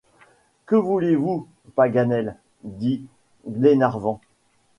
Que voulez-vous, Paganel ? dit Glenarvan.